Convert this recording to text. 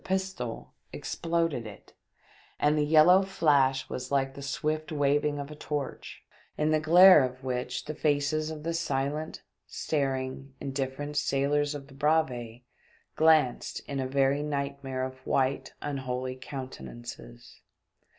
pistol exploded it, and the yellow flash was like the swift waving of a torch, in the glare of which the faces of the silent, staring, indif ferent sailors of the Braave glanced in a very nightmare of white, unholy countenances.